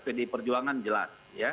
pdi perjuangan jelas